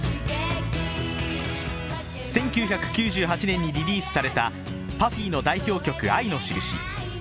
１９９８年にリリースされたＰＵＦＦＹの代表曲「愛のしるし」。